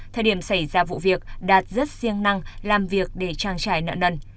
thời điểm xảy ra vụ việc đạt rất riêng năng làm việc để trang trải nợ nần